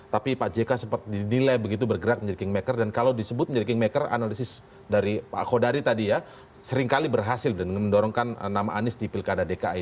tapi pak jk seperti didilai begitu bergerak menjadi kingmaker dan kalau disebut menjadi kingmaker analisis dari pak khodari tadi ya seringkali berhasil mendorongkan nama anies di pilkada dki